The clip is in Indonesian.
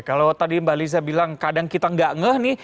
kalau tadi mbak lisa bilang kadang kita nggak ngeh nih